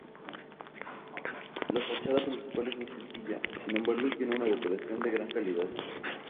La fachada principal es muy sencilla, sin embargo tiene una decoración de gran calidad.